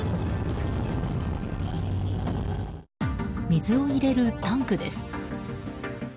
水を入れるタンクです。